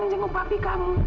di jenguk papi kamu